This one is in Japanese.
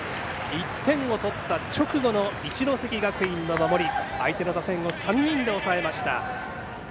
１点を取った直後の一関学院の守り、相手の打線を３人で抑えました。